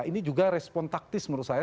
ini juga respon taktis menurut saya